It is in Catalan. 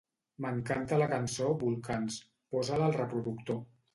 M'encanta la cançó "Volcans"; posa-la al reproductor.